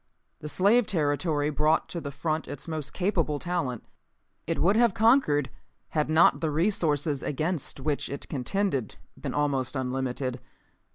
"The slave territory brought to the front its most capable talent. It would have conquered had not the resources against which it contended been almost unlimited.